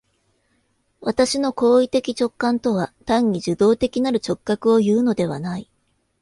私の行為的直観とは単に受働的なる直覚をいうのではない。